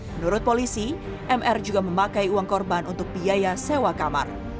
menurut polisi mr juga memakai uang korban untuk biaya sewa kamar